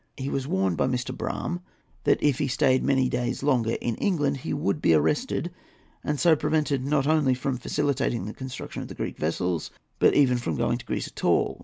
He was warned by Mr. Brougham that, if he stayed many days longer in England, he would be arrested and so prevented not only from facilitating the construction of the Greek vessels, but even from going to Greece at all.